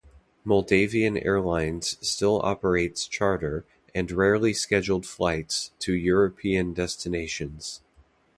Moldavian airlines still operates charter and rarely scheduled flights to European destinations.